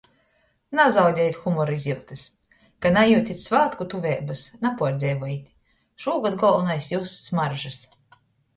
Nazaudejit humora izjiutys... Ka najiutit svātku tyveibys, napuordzeivojit... Šūgod golvonais just smaržys.